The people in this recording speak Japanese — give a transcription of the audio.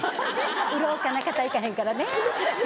売ろうかな肩行かへんからね。